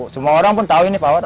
semua orang pun tahu ini bahwa